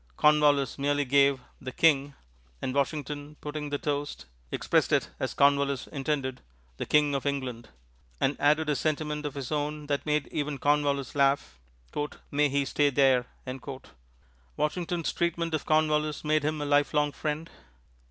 Cornwallis merely gave "The King," and Washington, putting the toast, expressed it as Cornwallis intended, "The King of England," and added a sentiment of his own that made even Cornwallis laugh "May he stay there!" Washington's treatment of Cornwallis made him a lifelong friend.